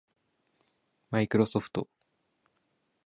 マイクロソフト